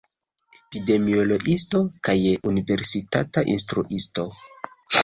Epidemiologiisto kaj universitata instruisto.